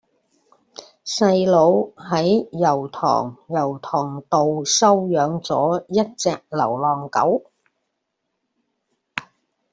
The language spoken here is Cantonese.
細佬喺油塘油塘道收養左一隻流浪狗